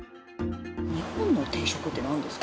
日本の定食ってなんですか？